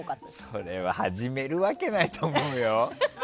それは始めるわけないと思うよ。